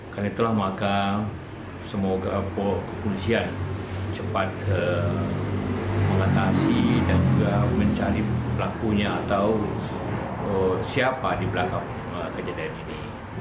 karena itulah maka semoga kepolisian cepat mengatasi dan juga mencari pelakunya atau siapa di belakang kejadian ini